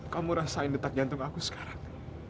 kamu rasain detak jantung aku sekarang